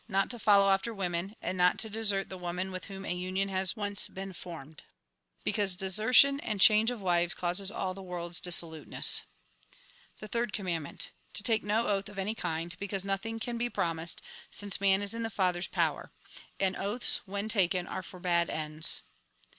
Not to follow after women, and not to desert the woman with whom a union has once been formed ; because desertion and change of wives causes all the world's dissoluteness. The Third Commandm ent. To take no oath of any kind ; because nothing can be promised, since man is in the Father's power ; and oaths, when taken, are for bad ends.